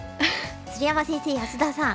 鶴山先生安田さん